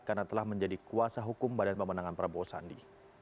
karena telah menjadi kuasa hukum badan pemenangan prabowo sandi